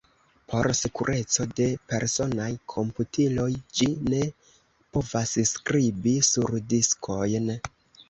Por sekureco de personaj komputiloj ĝi ne povas skribi sur diskojn.